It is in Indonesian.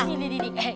sini di sini